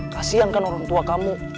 kasian kan orang tua kamu